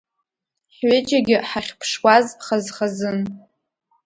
Ҳҩыџьагьы ҳахьԥшуаз хаз-хазын…